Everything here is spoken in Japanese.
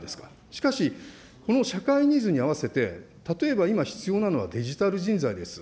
しかし、この社会ニーズに合わせて、例えば今、必要なのはデジタル人材です。